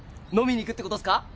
飲みに行くってことっすか？